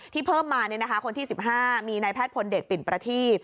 ที่เพิ่มมาคนที่๑๕มีนายแพทย์พลเดชปิ่นประทีบ